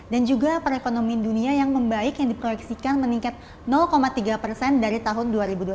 dan juga perekonomian dunia yang membaik yang diproyeksikan meningkat tiga persen dari tahun dua ribu dua puluh tiga